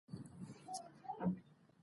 رواجي مسلماني مه کوئ.